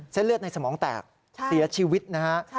เส้นเลือดในสมองแตกเสียชีวิตนะฮะ